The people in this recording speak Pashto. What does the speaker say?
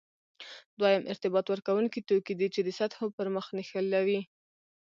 دویم ارتباط ورکوونکي توکي دي چې د سطحو پرمخ نښلوي.